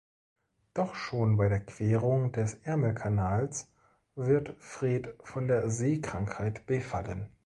Doch schon bei der Querung des Ärmelkanals wird Fred von der Seekrankheit befallen.